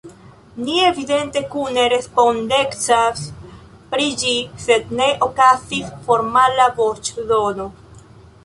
Ni evidente kune respondecas pri ĝi, sed ne okazis formala voĉdono.